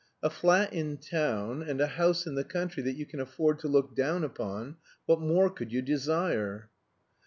A flat in town, and a house in the country that you can afford to look down upon what more could you desire?